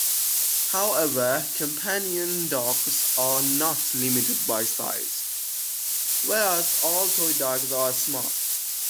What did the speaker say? However companion dogs are not limited by size, whereas all toy dogs are small.